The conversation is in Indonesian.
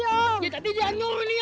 ya tadi dia nyuruh nih ya